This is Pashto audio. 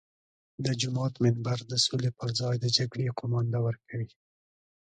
د جومات منبر د سولې پر ځای د جګړې قومانده ورکوي.